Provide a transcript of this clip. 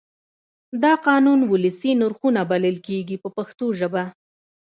دا قوانین ولسي نرخونه بلل کېږي په پښتو ژبه.